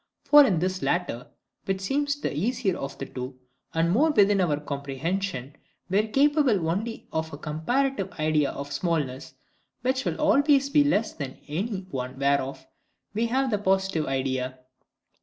For in this latter, which seems the easier of the two, and more within our comprehension, we are capable only of a comparative idea of smallness, which will always be less than any one whereof we have the positive idea.